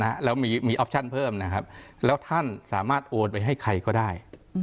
แล้วมีมีออปชั่นเพิ่มนะครับแล้วท่านสามารถโอนไปให้ใครก็ได้